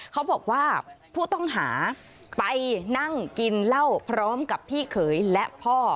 เขาบอกว่าผู้ต้องหาไปนั่งกินเหล้าพร้อมกับพี่เขยและพ่อ